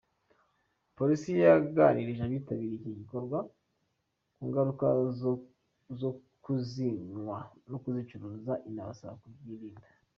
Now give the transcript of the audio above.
Polisi yaganirije abitabiriye icyo gikorwa ku ngaruka zo kuzinywa no kuzicuruza, inabasaba kubyirinda.